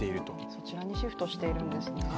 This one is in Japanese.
そちらにシフトしているんですね。